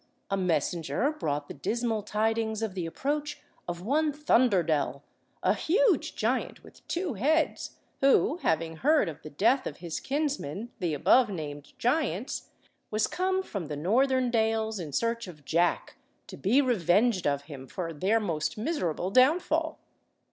A messenger brought the dismal tidings of the approach of one Thunderdel, a huge giant with two heads, who, having heard of the death of his kinsmen, the above–named giants, was come from the northern dales in search of Jack to be revenged of him for their most miserable downfall.